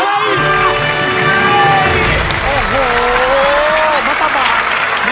เมื่อกี๊มาต่ำมา